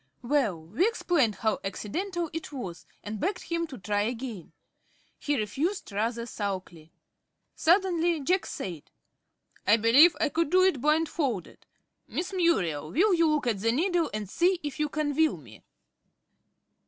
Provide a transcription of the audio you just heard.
Well, we explained how accidental it was, and begged him to try again. He refused rather sulkily. Suddenly Jack said: "I believe I could do it blindfolded. Miss Muriel, will you look at the needle, and see if you can will me?"